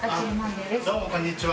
ですどうもこんにちは